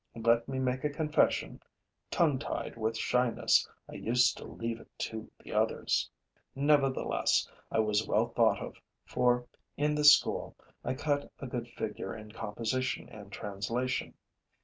Let me make a confession: tongue tied with shyness, I used to leave it to the others. Nevertheless, I was well thought of, for, in the school, I cut a good figure in composition and translation.